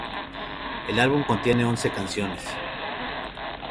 El álbum contiene once canciones.